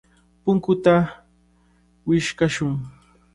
Punkuta wichqashun.